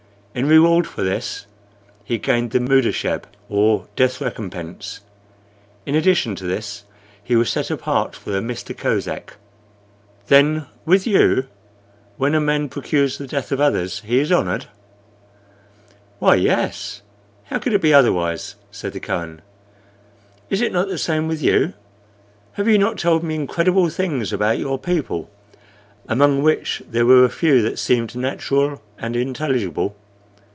In reward for this he gained the mudecheb, or death recompense. In addition to this he was set apart for the Mista Kosek." "Then, with you, when a man procures the death of others he is honored?" "Why, yes; how could it be otherwise?" said the Kohen. "Is it not the same with you? Have you not told me incredible things about your people, among which there were a few that seemed natural and intelligible?